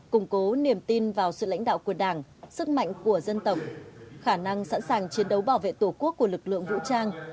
củng cố niềm tin vào sự lãnh đạo của đảng sức mạnh của dân tộc khả năng sẵn sàng chiến đấu bảo vệ tổ quốc của lực lượng vũ trang